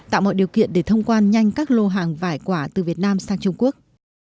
tạo mọi điều kiện để thông quan nhanh các lô hàng vải quả từ việt nam sang trung quốc